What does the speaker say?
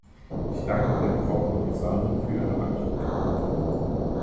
Ich danke der Frau Kommissarin für Ihre Antwort.